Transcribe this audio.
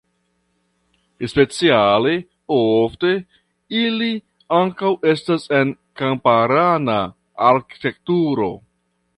Speciale ofte ili ankoraŭ estas en kamparana arĥitekturo.